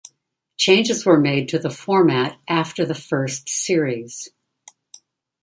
Changes were made to the format after the first series.